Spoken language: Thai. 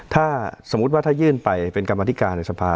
ถ้าสมมุติว่าถ้ายื่นไปเป็นกรรมธิการในสภา